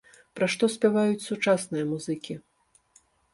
Пра што спяваюць сучасныя музыкі?